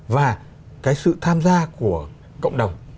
và cái sự tham gia của cộng đồng